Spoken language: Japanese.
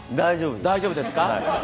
大丈夫です。